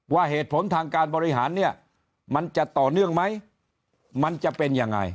ว่าเหตุผลทางการบริหารเนี่ยมันจะต่อเนื่องไหมมันจะเป็นยังไง